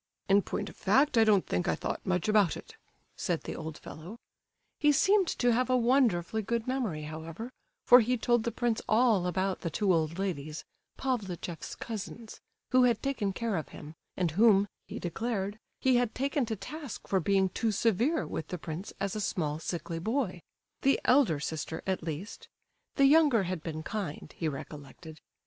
"In point of fact I don't think I thought much about it," said the old fellow. He seemed to have a wonderfully good memory, however, for he told the prince all about the two old ladies, Pavlicheff's cousins, who had taken care of him, and whom, he declared, he had taken to task for being too severe with the prince as a small sickly boy—the elder sister, at least; the younger had been kind, he recollected.